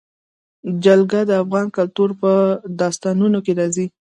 جلګه د افغان کلتور په داستانونو کې راځي.